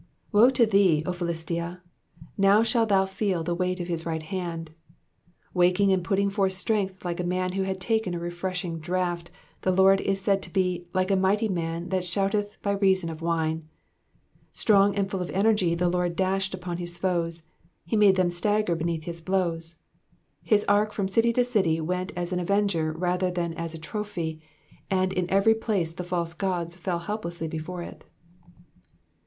Woe to thee, O Philistia, now shalt thou feel the weight of his right hand ! Waking and putting forth strength like a man who had taken a refreshing draught, the Lord is said to be, *' like a mighty man that shouteth by reason of wine. Strong and full of energy the Lord dashed upon his foes, and made them stagger beneath his blows. His ark from city to aty went as an avenger rather than as a trophy, and in every place the false gods fell helplessly before it.